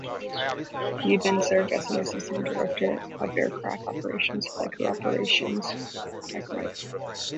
He then served as the Assistant Director for Aircraft Operations, Flight Crew Operations Directorate.